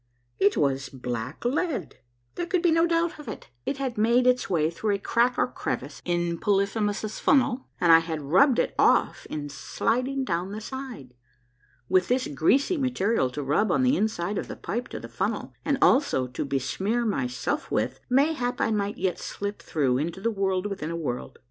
It Avas black lead — there could be no doubt of it. It had made its way through a crack or crevice in Polyphemus' Funnel, and I had rubbed it off in sliding down the side. With this greasy material to rub on the inside of the pipe to the funnel, and also to besmear myself with, mayhap I might yet slip through into the World within a W orld